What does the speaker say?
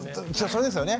それですよね。